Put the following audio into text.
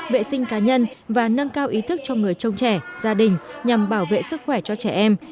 vệ sinh cá nhân và nâng cao ý thức cho người trông trẻ gia đình nhằm bảo vệ sức khỏe cho trẻ em